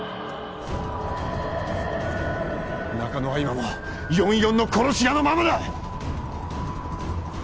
中野は今も４４の殺し屋のままだ！